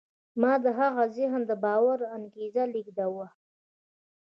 ما د هغه ذهن ته د باور انګېزه لېږدولې وه.